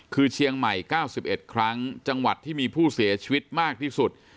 คือเชียงใหม่๙๑ครั้งจังหวัดที่มีผู้เสียชีวิตมากที่สุด